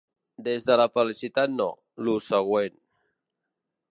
des de la felicitat no, “lo següent”